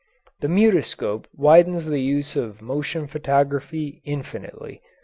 The mutoscope widens the use of motion photography infinitely.